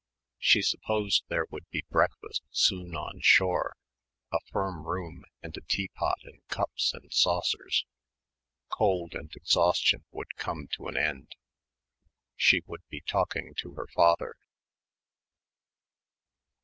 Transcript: She supposed there would be breakfast soon on shore, a firm room and a teapot and cups and saucers. Cold and exhaustion would come to an end. She would be talking to her father.